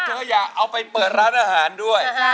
เธออยากเอาไปเปิดร้านอาหารด้วย